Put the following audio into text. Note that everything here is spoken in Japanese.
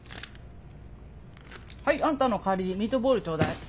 はいあんたの借りミートボールちょうだい。